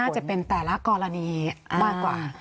จะเป็นแต่ละกรณีมากกว่า